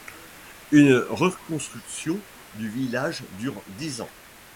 La reconstruction du village dure dix ans.